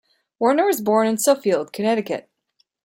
Warner was born in Suffield, Connecticut.